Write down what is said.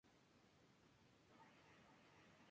Una tradición relacionada al carnaval es "lunes de ahorcado".